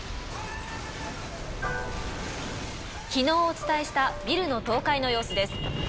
昨日お伝えしたビルの倒壊の様子です。